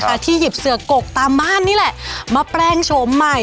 ที่หยิบเสือกกตามบ้านนี่แหละมาแปลงโฉมใหม่